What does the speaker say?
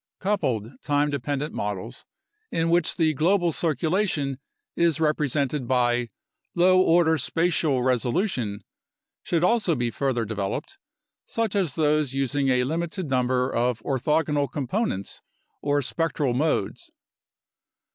Coupled time dependent models in which the global circulation is represented by low order spatial resolution should also be further de veloped, such as those using a limited number of orthogonal components or spectral modes.